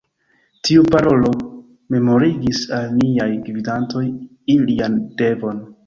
Tiu parolo memorigis al niaj gvidantoj ilian devon.